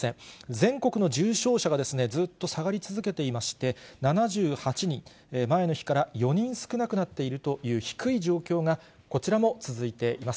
全国の重症者がずっと下がり続けていまして、７８人、前の日から４人少なくなっているという低い状況が、こちらも続いています。